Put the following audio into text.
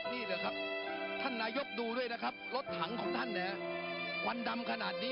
เชียงต่างให้ผมหาเพลงทรณีกันแสงไม่ได้